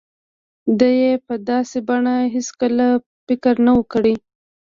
ده يې په داسې بڼه هېڅکله فکر نه و کړی.